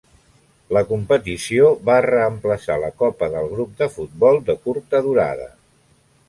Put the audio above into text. La competició va reemplaçar la Copa del grup de futbol de curta durada.